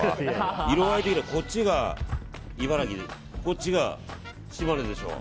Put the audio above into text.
色合い的には、こっちが茨城でこっちが島根でしょ。